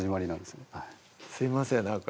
すいません